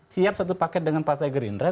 siap satu paket dengan partai gerindra